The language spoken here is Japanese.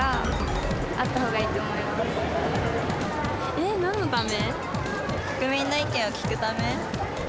えなんのため？